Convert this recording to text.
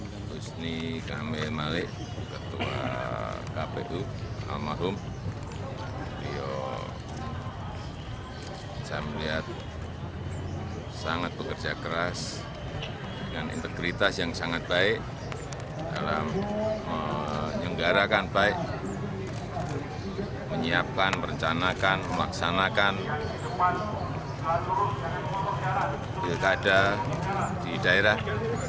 menyelenggarakan baik menyiapkan merencanakan melaksanakan pilkada di daerah